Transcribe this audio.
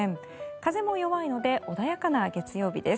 風も弱いので穏やかな月曜日です。